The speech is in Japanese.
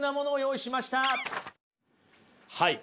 はい。